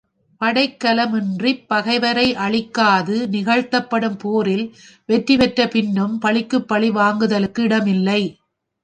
. படைக்கலமின்றிப் பகைவரை அழிக்காது நிகழ்த்தப்படும் போரில் வெற்றி பெற்ற பின்னும் பழிக்குப் பழி வாங்குதலுக்கு இடமில்லை.